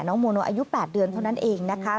โมโนอายุ๘เดือนเท่านั้นเองนะคะ